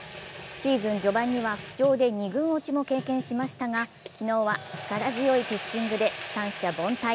シーズン序盤には不調で２軍落ちも経験しましたが昨日は力強いピッチングで三者凡退。